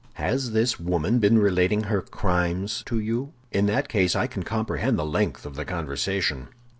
"Has this woman been relating her crimes to you? In that case I can comprehend the length of the conversation."